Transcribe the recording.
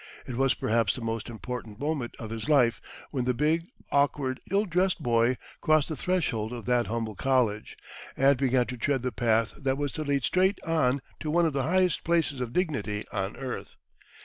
It was perhaps the most important moment of his life, when the big, awkward, ill dressed boy crossed the threshold of that humble college, and began to tread the path that was to lead straight on to one of the highest places of dignity on earth.